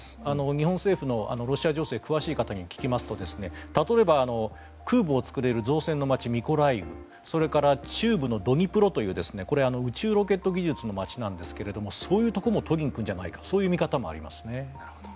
日本政府のロシア情勢に詳しい方に聞きますと例えば、空母を造れる造船の街ミコライウそれから中部のドニプロという宇宙ロケット技術の街なんですがそういうところも取りに行くんじゃないかという見方もありますね。